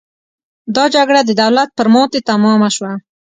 دا جګړه د دولت پر ماتې تمامه شوه.